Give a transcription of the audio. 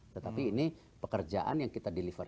tetapi ini pekerjaan yang kita deliver